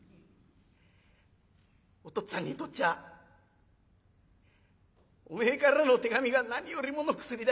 お父っつぁんにとっちゃおめえからの手紙が何よりもの薬だ。